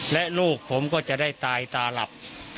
และลูกผมก็จะได้ตายตาหลับ